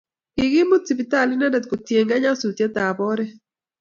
Kikimut sipitali inendet kotienge nyasutiet ab oret